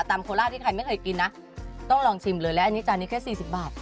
โคราชที่ใครไม่เคยกินนะต้องลองชิมเลยและอันนี้จานนี้แค่สี่สิบบาท